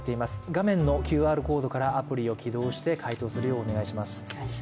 画面のＱＲコードからアプリを起動して回答するようお願いします。